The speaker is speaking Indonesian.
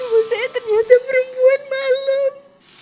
oh saya ternyata perempuan malam